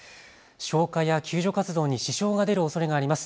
消火や救助活動に支障が出るおそれがあります。